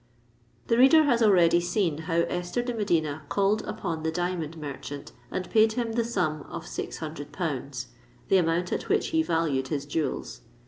The reader has already seen how Esther de Medina called upon the diamond merchant, and paid him the sum of six hundred pounds—the amount at which he valued his jewels.